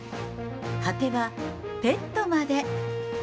はては、ペットまで。